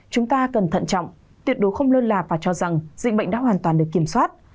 chúng ta cần thận trọng tuyệt đối không lơn lạc và cho rằng dịch bệnh đã hoàn toàn được kiểm soát